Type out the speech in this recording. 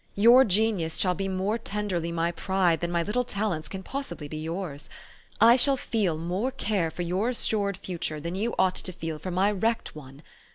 Your genius shall be more tenderly my pride than my little talents can possibly be yours. I shall feel more care for your assured future than you ought to feel for my wrecked one.